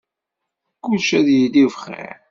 Kullec ad yili bxir.